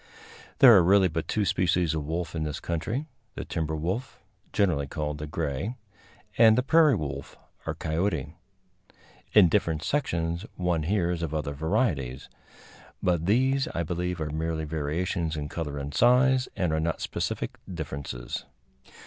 There are really but two species of wolf in this country the timber wolf, generally called the gray, and the prairie wolf or coyote. In different sections one hears of other varieties; but these, I believe, are merely variations in color and size, and are not specific differences.